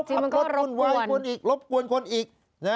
ปรับรถวุ่นวายรบกวนคนอีก